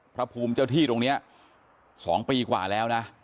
พระภูมิเจ้าที่ตรงนี้๒ปีกว่าแล้วนะ